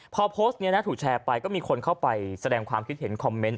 พอโพสต์นี้ถูกแชร์ไปก็มีคนเข้าไปแสดงความคิดเห็นคอมเมนต์